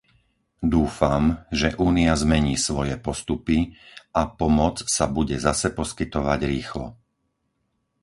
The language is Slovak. Dúfam, že Únia zmení svoje postupy a pomoc sa bude zase poskytovať rýchlo.